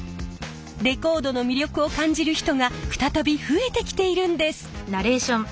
レコードの魅力を感じる人が再び増えてきているんです。